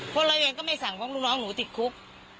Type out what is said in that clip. เพราะเราเองก็ไม่สั่งเพราะลูกน้องหนูติดคุก